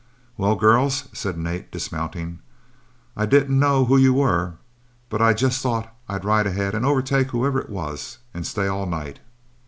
"Well, girls," said Nat, dismounting, "I didn't know who you were, but I just thought I'd ride ahead and overtake whoever it was and stay all night.